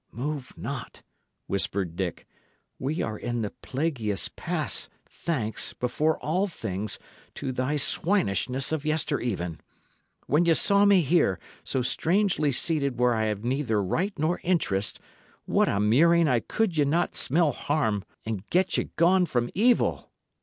"Move not," whispered Dick. "We are in the plaguiest pass, thanks, before all things, to thy swinishness of yestereven. When ye saw me here, so strangely seated where I have neither right nor interest, what a murrain! could ye not smell harm and get ye gone from evil?"